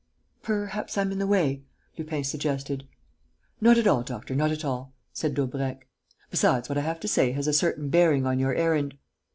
"Perhaps I'm in the way?" Lupin suggested. "Not at all, doctor, not at all," said Daubrecq. "Besides, what I have to say has a certain bearing on your errand."